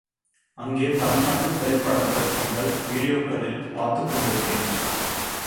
அங்கே தமிழ்நாட்டுத் திரைப்படங்கள் வீடியோக்களில் தொடர்ந்து பார்த்துக் கொண்டிருந்தேன்.